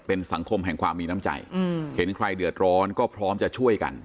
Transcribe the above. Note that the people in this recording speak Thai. เป็นสังคมแห่งความมีน้ำใจเห็นใครเดือดร้อนก็พร้อมจะช่วยกัน